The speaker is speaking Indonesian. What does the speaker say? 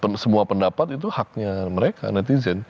dan semua pendapat itu haknya mereka netizen